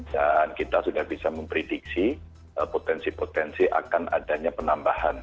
dan kita sudah bisa memprediksi potensi potensi akan adanya penambahan